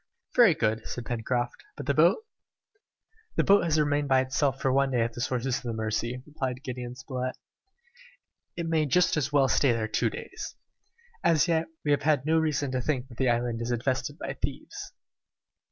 "Very good," said Pencroft. "But the boat?" "The boat has remained by itself for one day at the sources of the Mercy," replied Gideon Spilett; "it may just as well stay there two days! As yet, we have had no reason to think that the island is infested by thieves!"